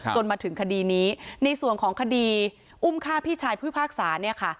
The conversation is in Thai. จนมาถึงคดีนี้ในส่วนของคดีอุ้มฆ่าพี่ชายพุทธภาคศาสตร์